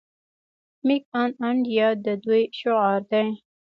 میک ان انډیا د دوی شعار دی.